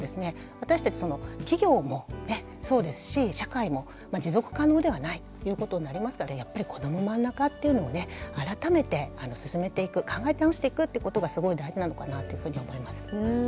私たち企業もそうですし社会も持続可能ではないということになりますからやっぱり「こどもまんなか」っていうのをね改めて進めていく考え直していくってことがすごい大事なのかなというふうに思います。